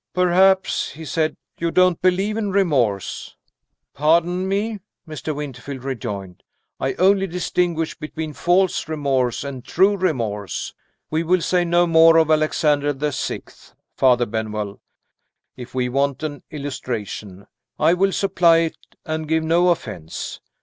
"Perhaps," he said, "you don't believe in remorse?" "Pardon me," Mr. Winterfield rejoined, "I only distinguish between false remorse and true remorse. We will say no more of Alexander the Sixth, Father Benwell. If we want an illustration, I will supply it, and give no offense.